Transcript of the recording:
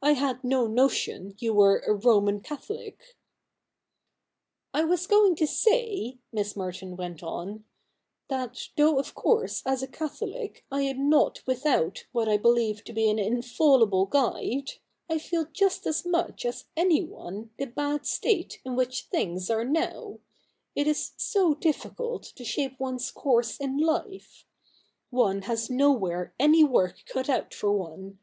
I had no notion you were a Roman Cathohc' ' I was going to say,' Miss Merton went on, ' that, though of course as a Catholic I am not without what I believe to be an infallible guide, I feel just as much as anyone the bad state in which things are now. It is so difficult to shape one's course in life. One has nowhere any work cut out for one.